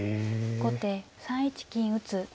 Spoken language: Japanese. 後手３一金打。